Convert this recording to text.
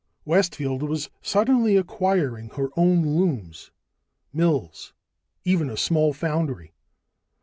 Westfield was suddenly acquiring her own looms, mills, even a small foundry.